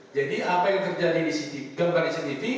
jadi apa yang terjadi di sini di gambar di cctv